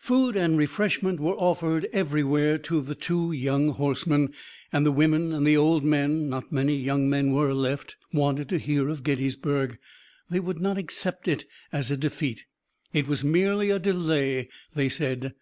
Food and refreshment were offered everywhere to the two young horsemen, and the women and the old men not many young men were left wanted to hear of Gettysburg. They would not accept it as a defeat. It was merely a delay, they said.